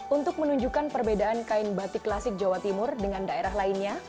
untuk menunjukkan perbedaan kain batik klasik jawa timur dengan daerah lainnya